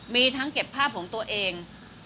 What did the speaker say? มีทั้งเก็บภาพของตัวเอง